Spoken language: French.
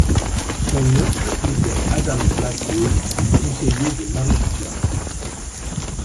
Son oncle était Adam Blackwood, conseiller de Marie Stuart.